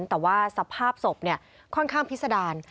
แต่ว่าสภาพศพค่อนข้างพิษดาร